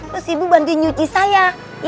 terus ibu bantuin nyuci saya